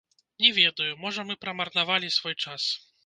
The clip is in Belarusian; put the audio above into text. Не ведаю, можа мы прамарнавалі свой час.